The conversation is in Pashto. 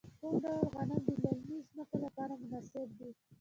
کوم ډول غنم د للمي ځمکو لپاره مناسب دي؟